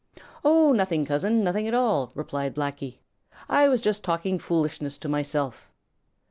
"Oh nothing, Cousin, nothing at all," replied Blacky. "I was just talking foolishness to myself."